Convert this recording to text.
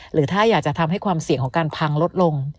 หรือถ้าอยากจะทำให้ความเสี่ยงของการพังลดลง